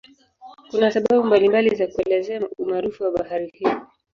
Kuna sababu mbalimbali za kuelezea umaarufu wa bahari hii.